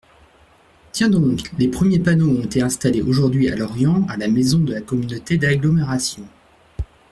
Tiens donc, les premiers panneaux ont été installés aujourd’hui à Lorient à la maison de la Communauté d’agglomération.